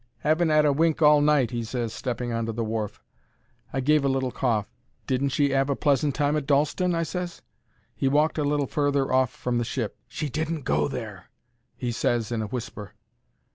"Haven't 'ad a wink all night," he ses, stepping on to the wharf. I gave a little cough. "Didn't she 'ave a pleasant time at Dalston?" I ses. He walked a little further off from the ship. "She didn't go there," he ses, in a whisper.